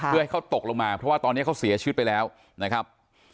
เพื่อให้เขาตกลงมาเพราะว่าตอนนี้เขาเสียชีวิตไปแล้วนะครับ